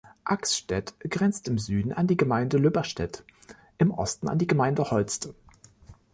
Axstedt grenzt im Süden an die Gemeinde Lübberstedt, im Osten an die Gemeinde Holste.